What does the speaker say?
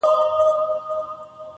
د ضمیر لپه